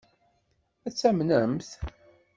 Ad t-tamnemt?